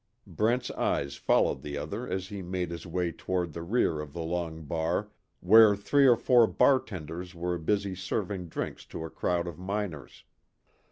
Brent's eyes followed the other as he made his way toward the rear of the long bar where three or four bartenders were busy serving drinks to a crowd of miners.